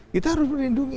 kita harus melindungi